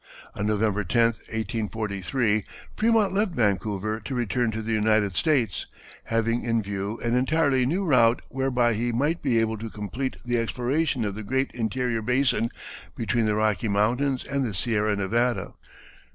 On November 10, 1843, Frémont left Vancouver to return to the United States, having in view an entirely new route whereby he might be able to complete the exploration of the great interior basin between the Rocky Mountains and the Sierra Nevada.